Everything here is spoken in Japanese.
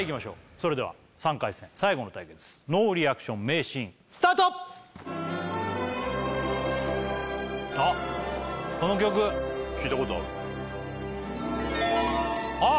それでは３回戦最後の対決ノーリアクション名シーンスタートあっこの曲聞いたことあるあっ！